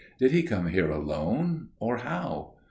'Did he come here alone, or how?